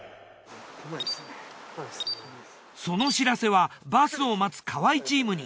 その知らせはバスを待つ河合チームに。